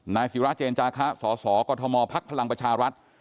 นายศิราชเจนจาคะสศกฎมพลักษณ์พลังประชารัฐ